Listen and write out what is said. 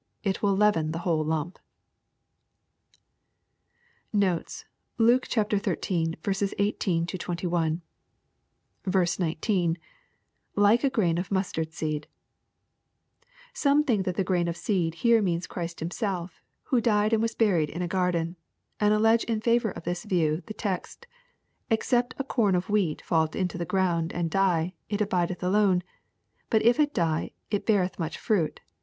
It will leaven tha whole lump. Notes. Luke XTTT. 18—21. i.9. — [Like a grain of mustard seed,} Some think that the grain ol seed here means Christ himself, who died and was buried in a gar den, and allege in favor of this view, the text, *' Except a com o< wheat fall into the gronnd and die, it abideth alone : but if it di^ it beareth much fruit."